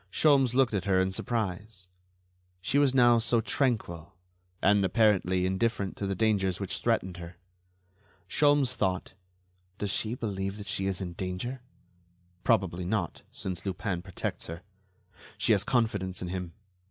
Sholmes looked at her in surprise; she was now so tranquil and, apparently, indifferent to the dangers which threatened her. Sholmes thought: Does she believe that she is in danger? Probably not—since Lupin protects her. She has confidence in him.